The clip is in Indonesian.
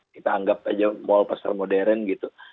kita anggap saja mal pasar modern gitu